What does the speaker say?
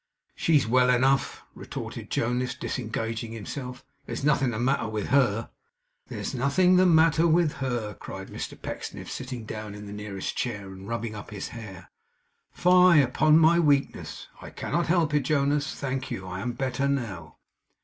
'She's well enough,' retorted Jonas, disengaging himself. 'There's nothing the matter with HER.' 'There is nothing the matter with her!' cried Mr Pecksniff, sitting down in the nearest chair, and rubbing up his hair. 'Fie upon my weakness! I cannot help it, Jonas. Thank you. I am better now.